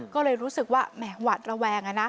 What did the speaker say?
ก็เลยรู้สึกว่าแหมหวาดระแวงนะ